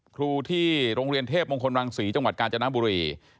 ครูที่โรงเรียนเทพมงคลรังศรีจังหวัดกาญจนบุรี